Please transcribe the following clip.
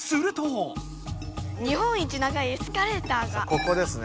ここですね。